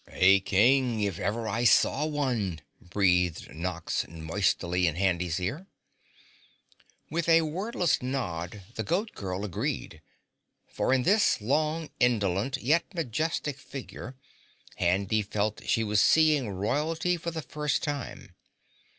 "A king, if I ever saw one," breathed Nox moistly in Handy's ear. With a wordless nod the Goat Girl agreed, for in this long, indolent yet majestic figure Handy felt she was seeing royalty for the first time.